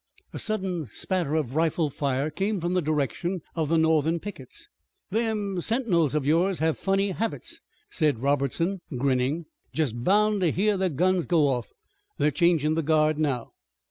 A sudden spatter of rifle fire came from the direction of the Northern pickets. "Them sentinels of yours have funny habits," said Robertson grinning. "Just bound to hear their guns go off. They're changin' the guard now."